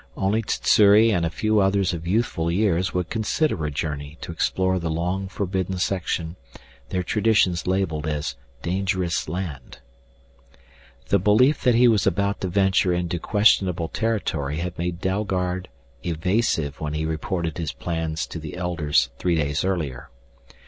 Only Sssuri and a few others of youthful years would consider a journey to explore the long forbidden section their traditions labeled as dangerous land. The belief that he was about to venture into questionable territory had made Dalgard evasive when he reported his plans to the Elders three days earlier.